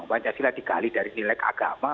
pancasila dikali dari nilai agama